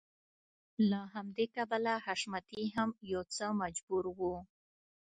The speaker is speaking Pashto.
له همدې کبله حشمتی هم يو څه مجبور و.